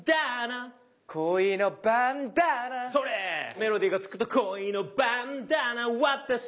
メロディーが付くと「恋のバンダナ渡すよ」